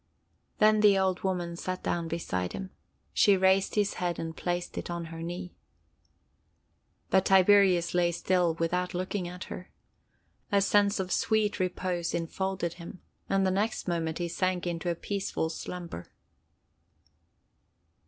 Then the old woman sat down beside him. She raised his head and placed it on her knee. But Tiberius lay still, without looking at her. A sense of sweet repose enfolded him, and the next moment he sank into a peaceful slumber.